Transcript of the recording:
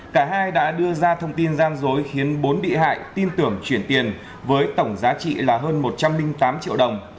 cả hai đã đưa ra thông tin gian dối khiến bốn bị hại tin tưởng chuyển tiền với tổng giá trị là hơn một trăm linh tám triệu đồng